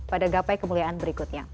pada gapai kemuliaan berikutnya